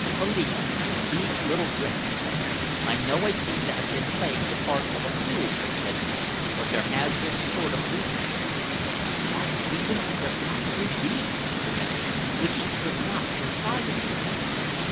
"Philippa, be a little brick," he begged. "I know I seem to have been playing the part of a fool just lately, but there has been a sort of reason for it." "What reason could there possibly be," she demanded, "which you could not confide in me?"